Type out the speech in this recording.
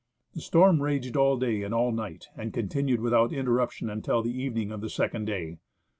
The storm raged all day and all night, and continued without, interruption until the evening of the second day.